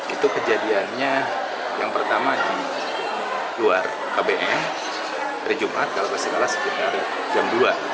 itu kejadiannya yang pertama di luar kbm dari jumat kalau bersekala sekitar jam dua